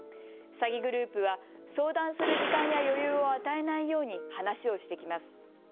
詐欺グループは相談する時間や余裕を与えないように話をしてきます。